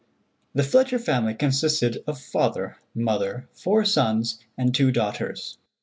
The Fletcher family consisted of father, mother, four sons, and two daughters.